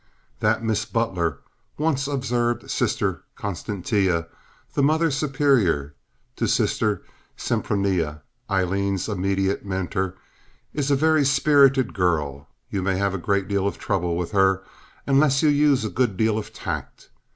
"That Miss Butler," once observed Sister Constantia, the Mother Superior, to Sister Sempronia, Aileen's immediate mentor, "is a very spirited girl, you may have a great deal of trouble with her unless you use a good deal of tact.